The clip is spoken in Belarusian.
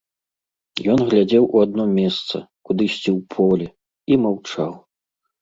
Ён глядзеў у адно месца, кудысьці ў поле, і маўчаў.